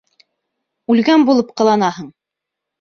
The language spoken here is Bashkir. Үлгән булып ҡыланаһың.